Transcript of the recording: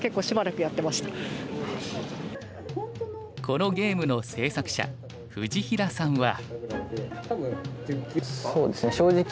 このゲームの制作者藤平さんは。